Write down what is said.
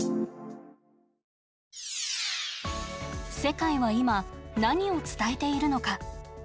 世界は今、何を伝えているのか。